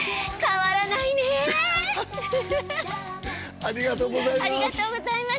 ありがとうございます。